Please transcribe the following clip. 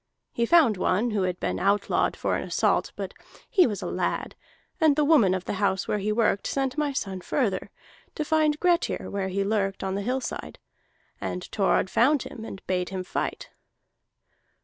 He found one who had been outlawed for an assault, but he was a lad; and the woman of the house where he worked sent my son further, to find Grettir where he lurked on the hillside. And Thorod found him and bade him fight.